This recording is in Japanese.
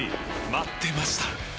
待ってました！